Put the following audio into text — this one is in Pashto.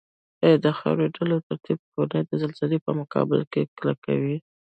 ایا د خاورې ډول او ترکیب کورنه د زلزلې په مقابل کې کلکوي؟